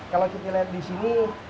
kalau kita lihat di sini